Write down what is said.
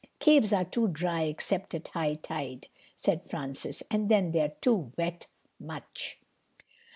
"Caves are too dry, except at high tide," said Francis. "And then they're too wet. Much."